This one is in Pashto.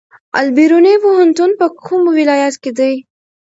البیروني پوهنتون په کوم ولایت کې دی؟